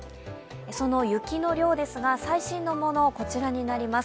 その雪の量ですが、最新のものがこちらになります。